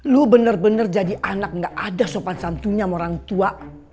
lu bener bener jadi anak nggak ada sopan santunya sama orang tua